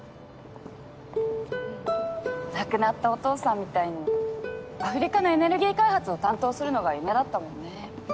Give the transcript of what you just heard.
亡くなったお父さんみたいにアフリカのエネルギー開発を担当するのが夢だったもんね。